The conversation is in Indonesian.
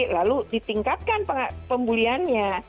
lalu ditingkatkan pembuliannya